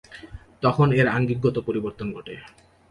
তখন এর আঙ্গিকগত পরিবর্তন ঘটে।